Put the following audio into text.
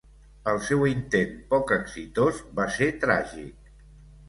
El seu intent poc exitós va ser tràgic.